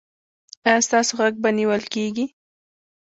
ایا ستاسو غږ به نیول کیږي؟